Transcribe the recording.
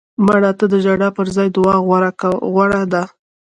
مړه ته د ژړا پر ځای دعا غوره ده